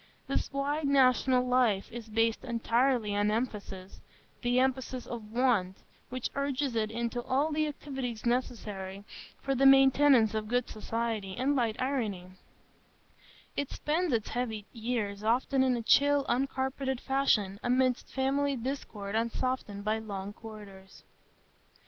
This wide national life is based entirely on emphasis,—the emphasis of want, which urges it into all the activities necessary for the maintenance of good society and light irony; it spends its heavy years often in a chill, uncarpeted fashion, amidst family discord unsoftened by long corridors.